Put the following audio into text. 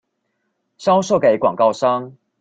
銷售給廣告商